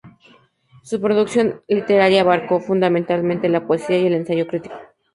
Su producción literaria abarcó, fundamentalmente, la poesía y el ensayo crítico.